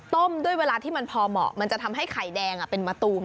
ต้มด้วยเวลาที่มันพอเหมาะมันจะทำให้ไข่แดงเป็นมะตูม